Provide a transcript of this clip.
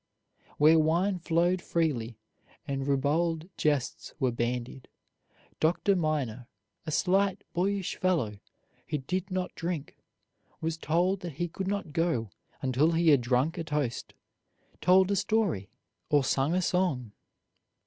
where wine flowed freely and ribald jests were bandied, Dr. Miner, a slight, boyish fellow who did not drink, was told that he could not go until he had drunk a toast, told a story, or sung a song.